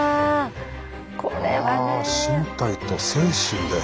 これはね！は身体と精神で。